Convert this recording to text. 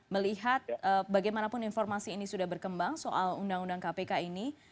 melihat bagaimanapun informasi ini sudah berkembang soal undang undang kpk ini